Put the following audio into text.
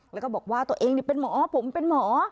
แล้วก็บอกว่าตัวเองเป็นหมอผมเป็นหมอ